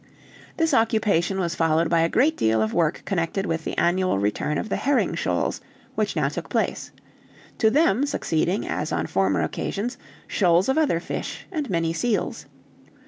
This occupation was followed by a great deal of work connected with the annual return of the herring shoals, which now took place; to them succeeding, as on former occasions, shoals of other fish, and many seals.